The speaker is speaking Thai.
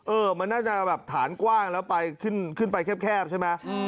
เออมันน่าจะแบบฐานกว้างแล้วไปขึ้นขึ้นไปแคบแคบใช่ไหมใช่